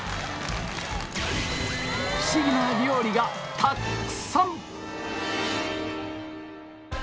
フシギな料理がたくさん！